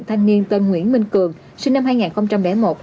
thanh niên tên nguyễn minh cường sinh năm hai nghìn một